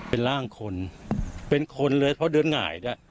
เป็นร่างคนเป็นคนเลยเพราะเดินหงาย